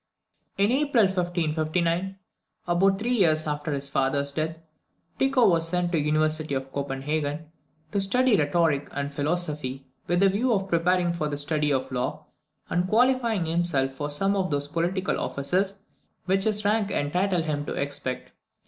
In April 1559, about three years after his father's death, Tycho was sent to the University of Copenhagen, to study rhetoric and philosophy, with the view of preparing for the study of the law, and qualifying himself for some of those political offices which his rank entitled him to expect.